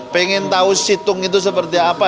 pengen tahu situng itu seperti apa